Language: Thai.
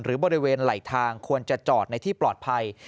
บริเวณไหลทางควรจะจอดในที่ปลอดภัย